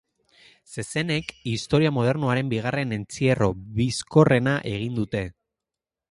Zezenek historia modernoaren bigarren entzierro bizkorrena egin dute.